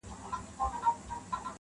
اوس دعا کوی یارانو تر منزله چي رسیږو -